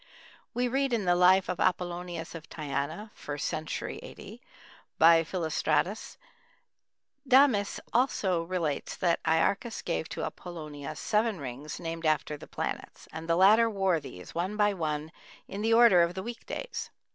We read in the life of Apollonius of Tyana (first century A.D.) by Philostratus: "Damis also relates that Iarchas gave to Apollonius seven rings named after the planets, and the latter wore these, one by one, in the order of the weekdays."